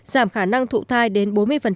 giảm khả năng thủ thai đến bốn mươi